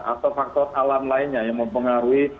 atau faktor alam lainnya yang mempengaruhi